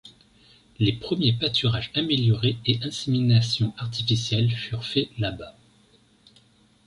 Les premiers pâturages améliorés et inséminations artificielles furent faits là-bas.